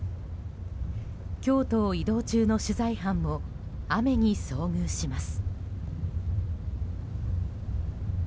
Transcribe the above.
京都を移動中の取材班も雨に遭遇します。